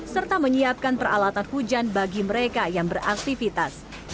serta menyiapkan peralatan hujan bagi mereka yang beraktivitas